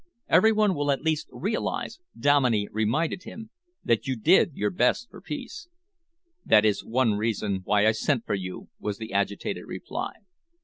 "Every one will at least realise," Dominey reminded him, "that you did your best for peace." "That is one reason why I sent for you," was the agitated reply.